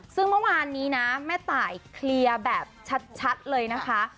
ซึ่งเมื่อวานนี้นะแม่ตายเคลียร์แบบชัดเลยนะคะ